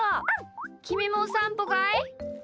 きみもおさんぽかい？